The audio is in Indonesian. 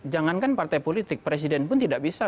jangankan partai politik presiden pun tidak bisa